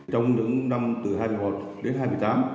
trong những năm từ hai mươi một đến hai mươi tám